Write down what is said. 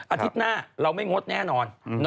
อาทิตย์หน้าเราไม่งดแน่นอน